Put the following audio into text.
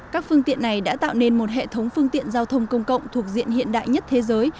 các phương tiện này đã tạo nên một hệ thống phương tiện giao thông công cộng thuộc diện hiện đại nhất thế giới